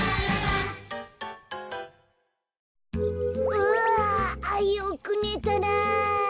うわよくねたなあ。